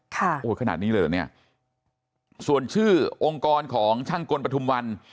โอ้ขนาดนี้เลยเหรอเนี่ยส่วนชื่อองค์กรของช่างกลปฐุมวัน